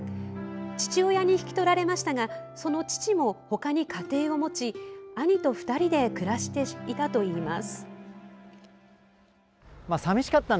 父親に引き取られましたがその父もほかに家庭を持ち兄と２人で暮らしていたといいます。